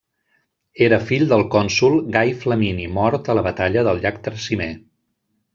Era fill del cònsol Gai Flamini mort a la batalla del llac Trasimè.